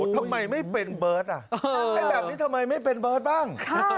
ทำไมไม่เป็นเบิร์ตแบบนี้ทำไมไม่เป็นเบิร์ตบ้าง